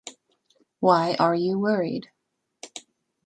Why are you worried?